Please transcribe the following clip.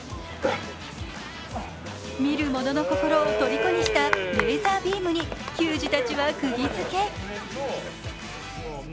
見るものの心をとりこにしたレーザービームに球児たちはくぎづけ。